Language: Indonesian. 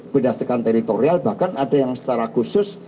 berdasarkan teritorial bahkan ada yang secara khusus